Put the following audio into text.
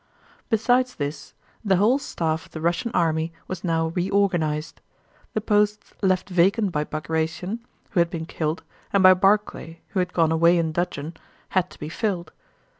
Besides this, the whole staff of the Russian army was now reorganized. The posts left vacant by Bagratión, who had been killed, and by Barclay, who had gone away in dudgeon, had to be filled.